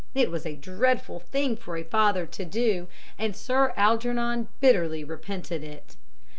It was a dreadful thing for a father to do, and Sir Algernon bitterly repented it.